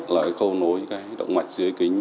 là cái khâu nối động mạch dưới kính